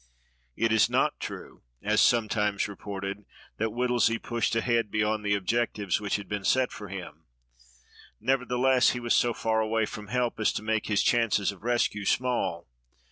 It is not true, as sometimes reported, that Whittlesey pushed ahead beyond the objectives which had been set for him. Nevertheless, he was so far away from help as to make his chances of rescue small.